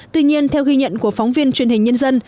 tuy nhiên theo ghi nhận của phóng viên truyền hình nhân dân